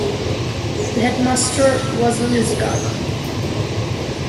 The headmaster was in his garden.